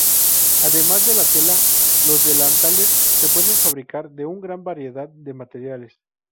Además de tela, los delantales se pueden fabricar de una gran variedad de materiales.